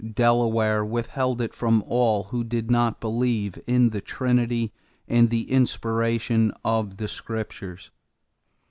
Delaware withheld it from all who did not believe in the Trinity and the inspiration of the Scriptures.